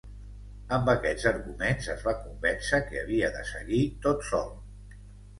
Amb aquests arguments es va convèncer que havia de seguir tot sol.